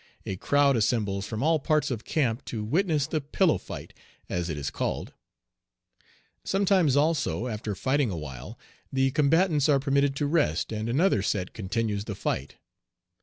A crowd assembles from all parts of camp to witness the "pillow fight," as it is called. Sometimes, also, after fighting awhile, the combatants are permitted to rest, and another set continues the fight.